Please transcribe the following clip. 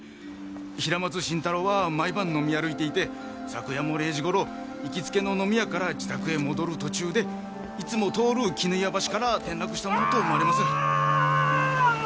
平松伸太郎は毎晩飲み歩いていて昨夜も０時頃行きつけの飲み屋から自宅へ戻る途中でいつも通る鬼怒岩橋から転落したものと思われます。